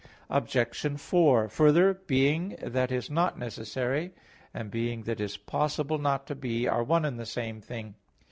Obj. 4: Further, being that is not necessary, and being that is possible not to be, are one and the same thing.